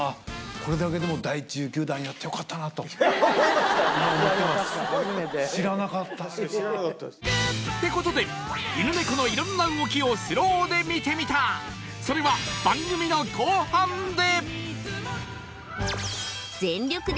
それはってことで犬ネコの色んな動きをスローで見てみたそれは番組の後半で！